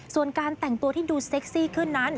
ส่วนการแต่งตัวที่ดูเซ็กซี่ขึ้นนั้น